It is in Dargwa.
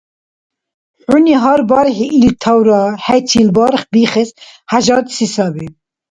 ХӀуни гьар бархӀи ил тавра хӀечил барх бихес хӀяжатси саби